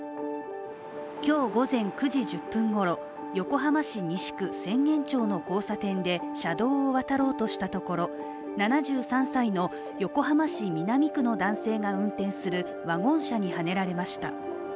今日午前９時１０時ごろ横浜市西区浅間町の交差点で、交差点で車道を渡ろうとしたところ、７３歳の横浜市南区の男性が運転するワゴン車にはねられました。